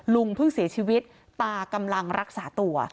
ลุงเพิ่งเสียชีวิตตากำลังรักษาตัว